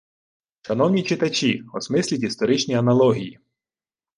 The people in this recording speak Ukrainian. Шановні читачі, осмисліть історичні аналогії